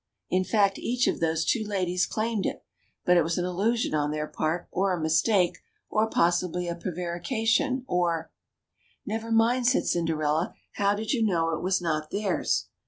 In fact, each of those two ladies claimed it ; but it was an illusion on their part, or a mistake, or possibly a prevarication, or" — Never mind," said Cinderella; ^Hiow did you know it was not theirs